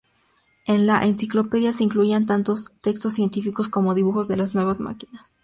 En la "Enciclopedia" se incluían tanto textos científicos como dibujos de las nuevas máquinas.